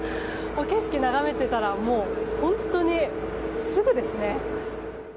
景色を眺めていたら本当にすぐですね。